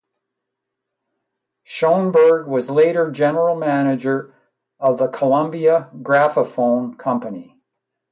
Shoenberg was later general manager of the Columbia Graphaphone Company.